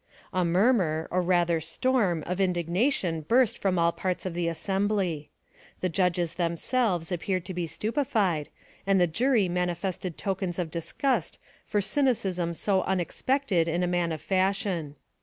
A murmur, or rather storm, of indignation burst from all parts of the assembly. The judges themselves appeared to be stupefied, and the jury manifested tokens of disgust for a cynicism so unexpected in a man of fashion.